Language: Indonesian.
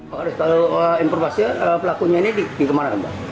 mau ada sekali informasi pelakunya ini di kemana